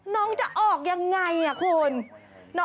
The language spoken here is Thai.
น้องจะออกอย่างไรคุณ